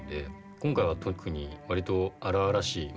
今回は特に割と荒々しいま